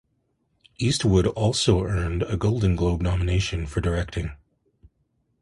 Eastwood also earned a Golden Globe nomination for directing.